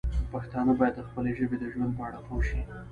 پښتانه باید د خپلې ژبې د ژوند په اړه پوه شي.